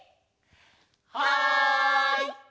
はい！